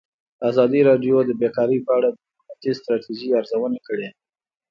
ازادي راډیو د بیکاري په اړه د حکومتي ستراتیژۍ ارزونه کړې.